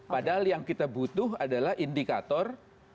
padahal yang kita butuh adalah indikator